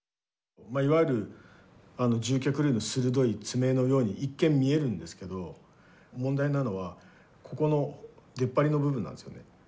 いわゆる獣脚類の鋭い爪のように一見見えるんですけど問題なのはここの出っ張りの部分なんですよね。